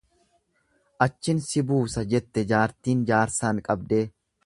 Achin si buusa jette jaartiin jaarsaan qabdee.